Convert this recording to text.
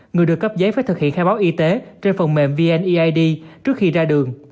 người được cấp giấy phải thực hiện khai báo y tế trên phần mềm vneid trước khi ra đường